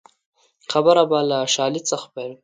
خبره به له شالید څخه پیل کړو